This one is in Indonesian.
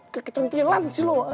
kekecantilan sih lu